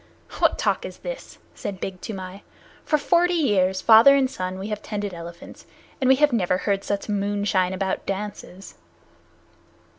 "What talk is this?" said Big Toomai. "For forty years, father and son, we have tended elephants, and we have never heard such moonshine about dances."